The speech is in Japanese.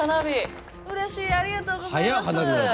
うれしいありがとうございます！